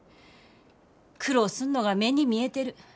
苦労すんのが目に見えてる。